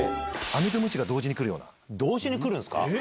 同時にくるんすか？